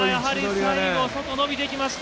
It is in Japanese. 最後外、伸びてきました。